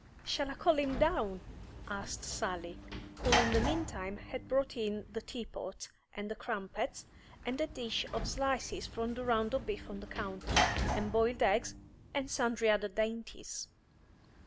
"Shall I call him down?" asked Sally, who in the meantime had brought in the tea pot, and the crumpets, and a dish of slices from the round of beef on the counter, and boiled eggs, and sundry other dainties.